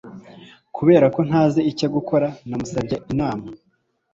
Kubera ko ntazi icyo gukora, namusabye inama.